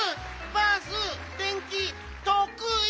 バースでんきとくい！